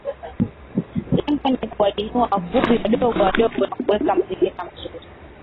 Lengo ni kuwainua wavuvi wadogo wadogo na kuweka mazingira mazuri